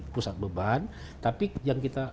pusat beban tapi yang kita